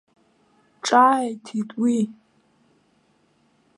Ҿааиҭит уи.